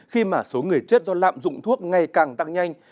khi mà số người chết do lạm dụng thuốc ngày càng tăng nhanh